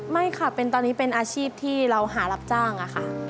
ไม่ค่ะตอนนี้เป็นอาชีพที่เราหารับจ้างค่ะ